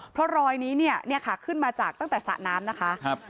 เพราะรอยนี้เนี่ยค่ะขึ้นมาจากตั้งแต่สระน้ำนะคะ